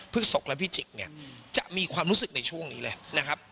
พึกศกและพี่จิกจะมีความรู้สึกในช่วงนี้เลยนะครับ